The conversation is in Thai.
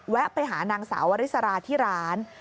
ไปหานางสาววริสราที่ร้าน